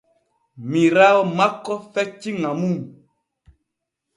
Miiraawo makko fecci ŋa mum.